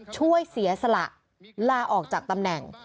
ช่วยเสียสละลาออกจากตำแหน่ง